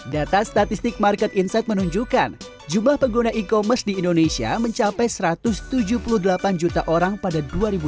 data statistik market insight menunjukkan jumlah pengguna e commerce di indonesia mencapai satu ratus tujuh puluh delapan juta orang pada dua ribu dua puluh